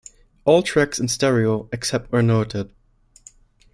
All tracks in stereo, except where noted.